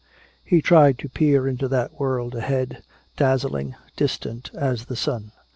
He tried to peer into that world ahead, dazzling, distant as the sun.